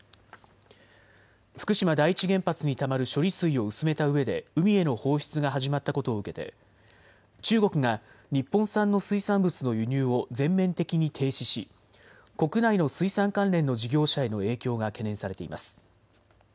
福島第一原発にたまる処理水を薄めたうえで海への放出が始まったことを受けて中国が日本産の水産物の輸入を全面的に停止し国内の水産関連の事業者への影響が懸念されています。